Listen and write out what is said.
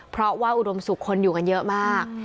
เพราะว่าอุดมสุขคนอยู่กันเยอะมาก